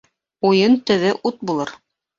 Уйын төбө ут булыр